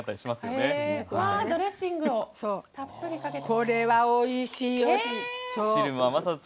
これはおいしいよ。